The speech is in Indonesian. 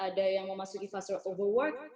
ada yang memasuki national overwork